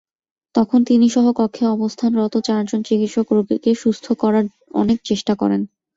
তখন তিনিসহ কক্ষে অবস্থানরত চারজন চিকিৎসক রোগীকে সুস্থ করার অনেক চেষ্টা করেন।